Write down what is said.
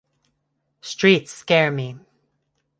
Streets scare me.